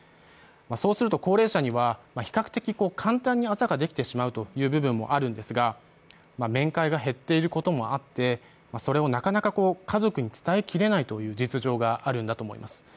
そうすると高齢者には比較的簡単にあざができてしまうという部分もあるのですが、面会が減っていることもあって、それをなかなか家族に伝えきれないという実情があるんだと思います。